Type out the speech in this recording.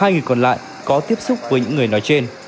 hai người còn lại có tiếp xúc với những người nói trên